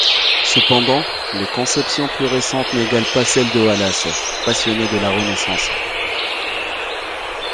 Cependant, les conceptions plus récentes n'égalent pas celles de Wallace, passionné de la Renaissance.